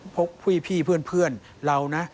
พวกพี่เพื่อนเรานะ